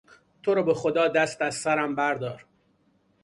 تو را به خدا دست از سرم بردار!